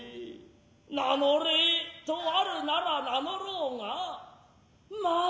名乗れとあるなら名乗ろうがまァ